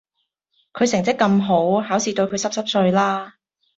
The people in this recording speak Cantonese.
佢成績咁好，考試對佢濕濕碎啦